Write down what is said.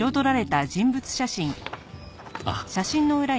あっ。